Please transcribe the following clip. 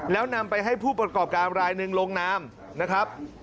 แล้วนำไปให้ผู้ประกอบการรายหนึ่งลงนามนะครับ